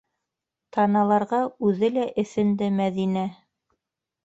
Таналарға үҙе лә эҫенде Мәҙинә.